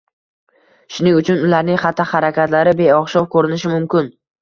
shuning uchun ularning xatti-harakatlari beo‘xshov ko‘rinishi mumkin.